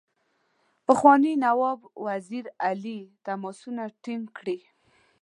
پخواني نواب وزیر علي تماسونه ټینګ کړي.